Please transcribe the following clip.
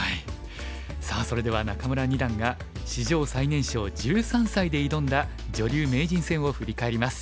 さあそれでは仲邑二段が史上最年少１３歳で挑んだ女流名人戦を振り返ります。